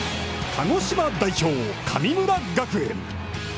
鹿児島代表・神村学園。